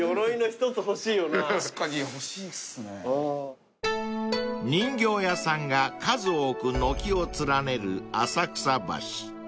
［人形屋さんが数多く軒を連ねる浅草橋］